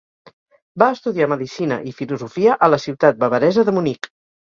Va estudiar medicina i filosofia a la ciutat bavaresa de Munic.